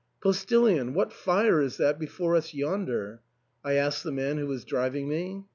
" Postilion, what fire is that before us yonder ?" I asked the man who was driving me.